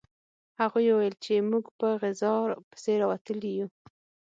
هغوی وویل چې موږ په غذا پسې راوتلي یو